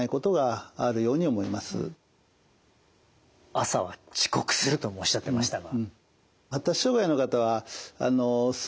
「朝は遅刻する」ともおっしゃってましたが。